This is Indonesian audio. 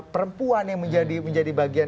perempuan yang menjadi bagian